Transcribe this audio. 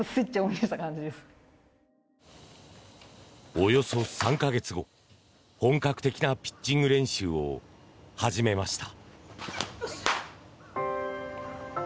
およそ３か月後本格的なピッチング練習を始めました。